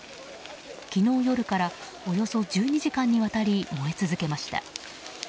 昨日夜からおよそ１２時間にわたり燃え続けました。